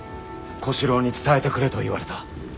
小四郎に伝えてくれと言われた。